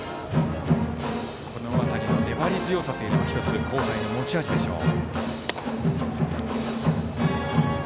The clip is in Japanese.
この辺りの粘り強さというのは香西の持ち味でしょう。